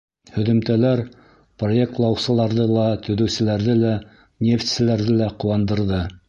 Һөҙөмтәләр проектлаусыларҙы ла, төҙөүселәрҙе лә, нефтселәрҙе лә ҡыуандырҙы.